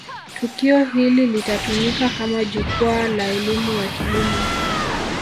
tukio hili litatumika kama jukwaa la elimu ya kilimo